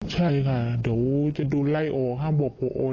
ใช่ค่ะเดี๋ยวจะดูไล่โอห้ามบอกโอน